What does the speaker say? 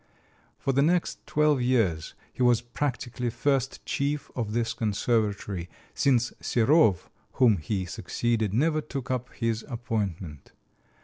For the next twelve years he was practically first chief of this conservatory, since Serov, whom he succeeded, never took up his appointment.